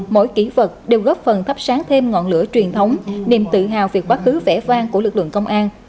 mỗi kỹ vật đều góp phần thắp sáng thêm ngọn lửa truyền thống niềm tự hào việc bác hứ vẽ vang của lực lượng công an